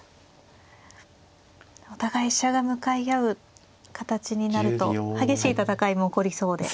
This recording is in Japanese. お互い飛車が向かい合う形になると激しい戦いも起こりそうで。